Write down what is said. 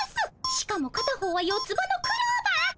しかも片方は四つ葉のクローバー。